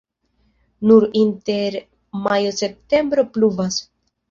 Nur inter majo-septembro pluvas.